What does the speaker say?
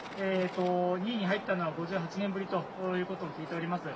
２位に入ったのは５８年ぶりということを聞いております。